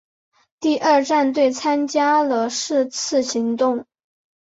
第二战队参加了是次行动。